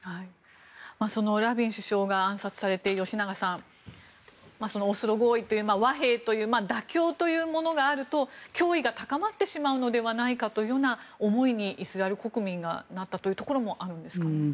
そのラビン首相が暗殺されて吉永さん、オスロ合意和平という妥協というものがあると脅威が高まってしまうのではという思いにイスラエル国民がなったというところもあるんですかね。